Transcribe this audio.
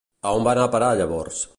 On va anar a parar llavors?